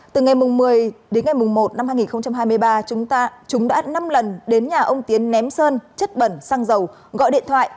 từ ngày một mươi đến ngày một năm hai nghìn hai mươi ba chúng ta chúng đã năm lần đến nhà ông tiến ném sơn chất bẩn xăng dầu gọi điện thoại